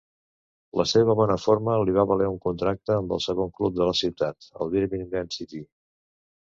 La seva bona forma li va valer un contracte amb el segon club de la ciutat, el Birmingham City.